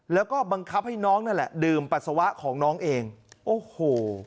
แล้วก็บังคับให้น้องนั่นแหละดื่มปัสสาวะของน้องเองโอ้โห